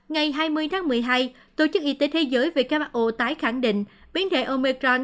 ngày hai mươi tháng một mươi hai tổ chức y tế thế giới who tái khẳng định biến thể omecron